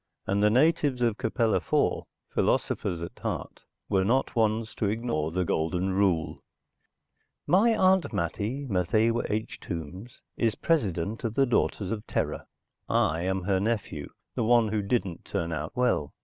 And the natives of Capella IV, philosophers at heart, were not ones to ignore the Golden Rule...._ My Aunt Mattie, Matthewa H. Tombs, is President of the Daughters of Terra. I am her nephew, the one who didn't turn out well.